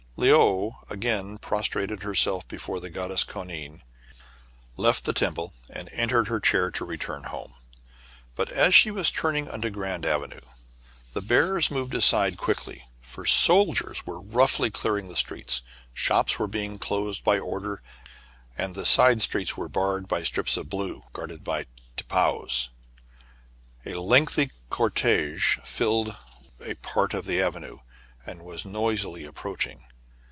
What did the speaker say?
Le ou again prostrated herself before the God dess Koanine, left the temple, and entered her chair to return home. But, as she was turning into Grand Avenue, the bearers moved aside FOUR CITIES IN ONE, l6l quickly; for soldiers were roughly clearing the streets, shops were being closed by order, and the side streets were barred by strips of blue guarded by tipaos. A lengthy cortege filled a part of the avenue, and was noisily approaching.